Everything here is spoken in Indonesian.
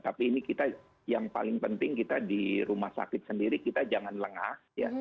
tapi ini kita yang paling penting kita di rumah sakit sendiri kita jangan lengah